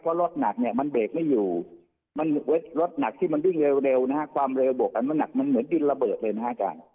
เพราะรถหนักมันเบรกไม่อยู่รถหนักที่มันวิ่งเร็วความเร็วบวกกันมันเหมือนดินระเบิกเลยนะครับ